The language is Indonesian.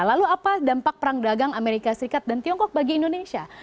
lalu apa dampak perang dagang amerika serikat dan tiongkok bagi indonesia